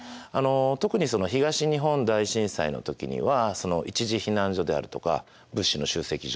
特にその東日本大震災の時には１次避難所であるとか物資の集積所